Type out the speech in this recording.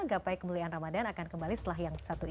gapai kemuliaan ramadhan akan kembali setelah yang satu ini